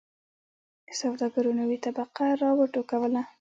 د سوداګرو نوې طبقه را و ټوکوله.